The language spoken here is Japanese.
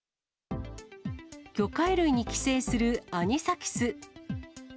魚介類に寄生するアニサキス。